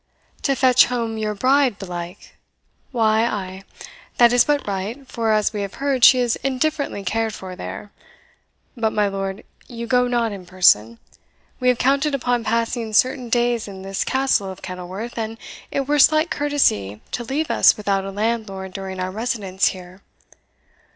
"To fetch home your bride belike? Why, ay that is but right, for, as we have heard, she is indifferently cared for there. But, my lord, you go not in person; we have counted upon passing certain days in this Castle of Kenilworth, and it were slight courtesy to leave us without a landlord during our residence here.